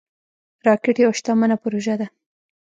راکټ یوه شتمنه پروژه ده